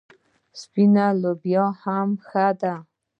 سپینه لوبیا هم ښه ده.